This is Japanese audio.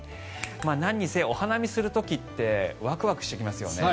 何にせよ、お花見する時ってワクワクしてきますよね。